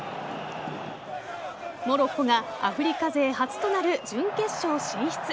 モロッコがアフリカ勢初となる準決勝進出。